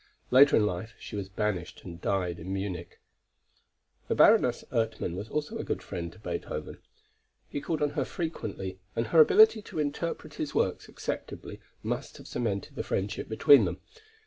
Later in life she was banished and died in Munich. The Baroness Ertmann was also a good friend to Beethoven. He called on her frequently and her ability to interpret his works acceptably must have cemented the friendship between them.